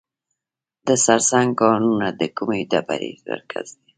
د سرسنګ کانونه د کومې ډبرې مرکز دی؟